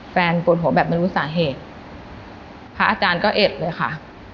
แฟนโปรดหัวแบบมนุษย์สาเหตุพระอาจารย์ก็เอ็ดเลยค่ะ